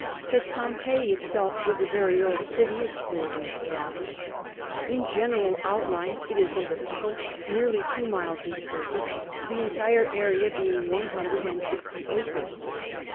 That Pompeii itself was a very old city is clearly established. In general outline it is elliptical, nearly two miles in circuit, the entire area being one hundred and sixty acres.